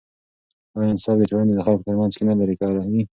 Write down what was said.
آیا انصاف د ټولنې د خلکو ترمنځ کینه لیرې کوي؟